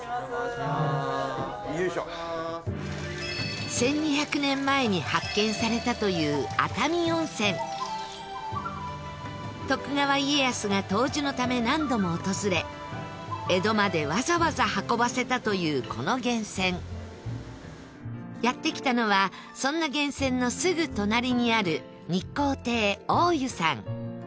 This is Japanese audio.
１２００年前に発見されたという熱海温泉徳川家康が湯治のため何度も訪れ江戸までわざわざ運ばせたというこの源泉やって来たのはそんな源泉のすぐ隣にある日航亭大湯さん